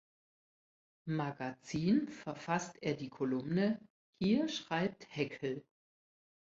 Magazin verfasst er die Kolumne "Hier schreibt Heckl".